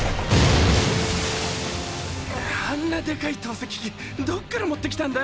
あんなデカい投石機どっから持ってきたんだ